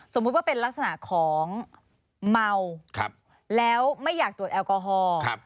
สมมุติว่าเป็นลักษณะของเมาแล้วไม่อยากตรวจแอลกอฮอล์